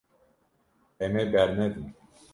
Em ê bernedin.